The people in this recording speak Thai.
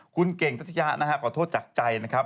คุณเก่งทัชยะขอโทษจากใจนะครับ